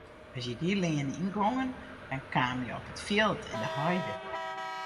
As je dy leane yngongen dan kamen je op it fjild en de heide.